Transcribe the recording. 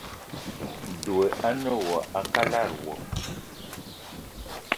Dwé a ne ma a kalada wo.